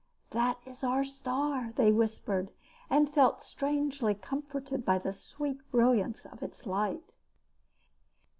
"That is our star," they whispered, and felt strangely comforted by the sweet brilliance of its light.